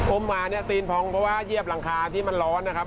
มาเนี่ยตีนพองเพราะว่าเยียบหลังคาที่มันร้อนนะครับ